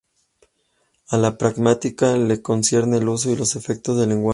A la pragmática le concierne el uso y los efectos del lenguaje.